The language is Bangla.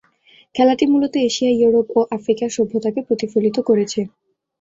খেলাটি মূলত এশিয়া, ইউরোপ ও আফ্রিকার সভ্যতাকে প্রতিফলিত করেছে।